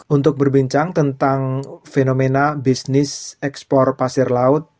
untuk berbincang tentang fenomena bisnis ekspor pasir laut